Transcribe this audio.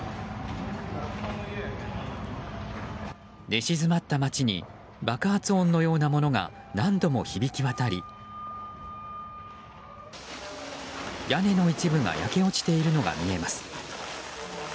寝静まった街に爆発音のようなものが何度も響き渡り屋根の一部が焼け落ちているのが見えます。